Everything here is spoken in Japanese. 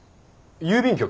郵便局？